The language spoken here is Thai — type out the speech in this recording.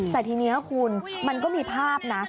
แต่ทีนี้คุณมันก็มีภาพนะ